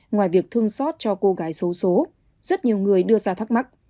ngoài việc thương xót cho cô gái xấu xố rất nhiều người đưa ra thắc mắc